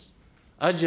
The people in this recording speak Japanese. アジア